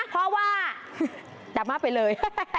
เพราะว่าดราม่าไปเลย